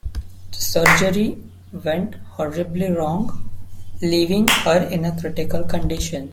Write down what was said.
The surgery went horribly wrong, leaving her in a critical condition.